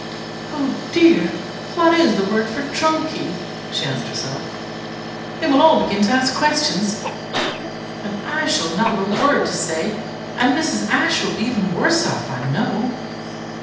"Oh dear! what is the word for trunk key?" she asked herself. "They will all begin to ask questions, and I shall not have a word to say; and Mrs. Ashe will be even worse off, I know."